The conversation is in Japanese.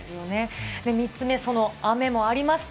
３つ目、その雨もありました。